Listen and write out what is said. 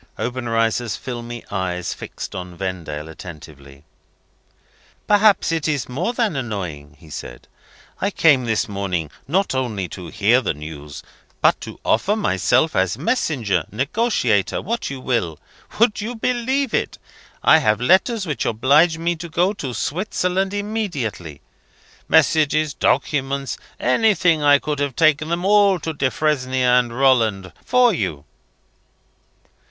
Obenreizer's filmy eyes fixed on Vendale attentively. "Perhaps it is more than annoying!" he said. "I came this morning not only to hear the news, but to offer myself as messenger, negotiator what you will. Would you believe it? I have letters which oblige me to go to Switzerland immediately. Messages, documents, anything I could have taken them all to Defresnier and Rolland for you."